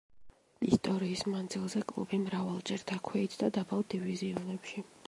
ისტორიის მანძილზე კლუბი მრავალჯერ დაქვეითდა დაბალ დივიზიონებში.